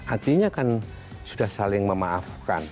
artinya kan sudah saling memaafkan